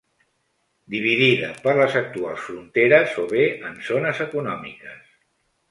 Dividida per les actuals fronteres o bé en zones econòmiques